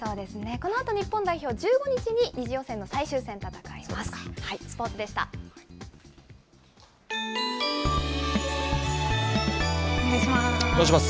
このあと日本代表、１５日に２次予選の最終戦、戦います。